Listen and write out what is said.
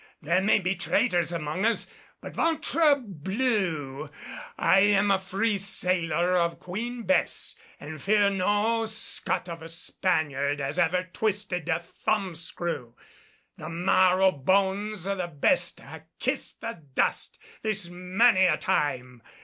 There may be traitors among us; but, ventre blue! I'm a free sailor of Queen Bess and fear no scut of a Spaniard as ever twisted a thumb screw. The marrow bones o' the best ha' kissed the dust this many a time.